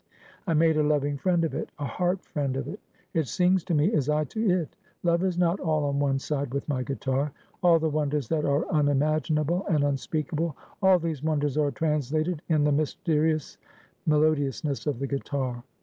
I made a loving friend of it; a heart friend of it. It sings to me as I to it. Love is not all on one side with my guitar. All the wonders that are unimaginable and unspeakable; all these wonders are translated in the mysterious melodiousness of the guitar.